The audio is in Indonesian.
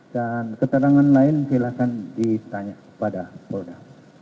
dan keterangan lain silahkan ditanya kepada polda